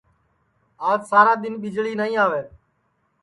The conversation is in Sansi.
آج سارا دؔن ٻِجݪی نائی آوے